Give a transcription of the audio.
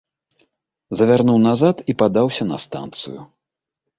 Завярнуў назад і падаўся на станцыю.